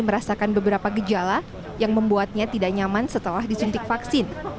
merasakan beberapa gejala yang membuatnya tidak nyaman setelah disuntik vaksin